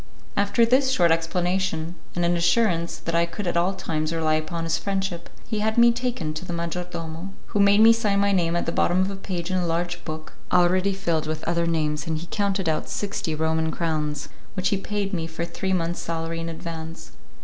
After this short explanation, and an assurance that I could at all times rely upon his friendship, he had me taken to the major domo, who made me sign my name at the bottom of a page in a large book, already filled with other names, and counted out sixty Roman crowns which he paid me for three months salary in advance.